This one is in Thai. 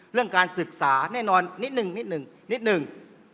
เรื่องการศึกษาแน่นอนนิดหนึ่งนิดหนึ่งนิดหนึ่ง